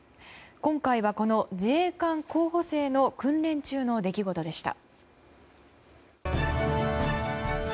今回は自衛官候補生の訓練中の出来事でした。